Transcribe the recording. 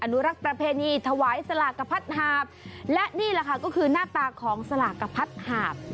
อุรักษ์ประเพณีถวายสลากกระพัดหาบและนี่แหละค่ะก็คือหน้าตาของสลากกระพัดหาบ